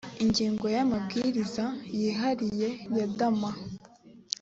ingingo ya amabwiriza yihariye ya dma